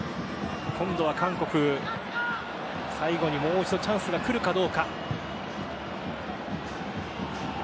韓国、最後にもう一度チャンスが来るかどうか。